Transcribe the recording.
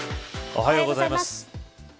おはようございます。